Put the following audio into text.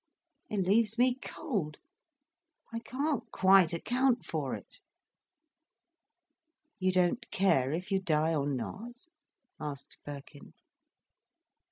It leaves me cold. I can't quite account for it." "You don't care if you die or not?" asked Birkin.